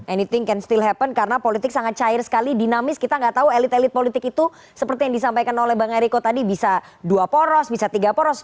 anything can still happen karena politik sangat cair sekali dinamis kita nggak tahu elit elit politik itu seperti yang disampaikan oleh bang eriko tadi bisa dua poros bisa tiga poros